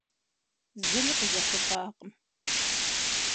Зыри къызэхъулӏакъым.